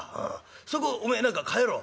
そこおめえ何か変えろ」。